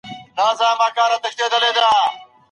ایا افغان سوداګر پسته پروسس کوي؟